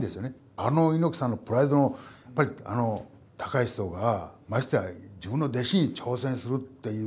あの猪木さんのプライドのあの高い人がましてや自分の弟子に挑戦するっていう。